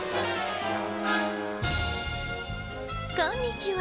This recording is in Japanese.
こんにちは。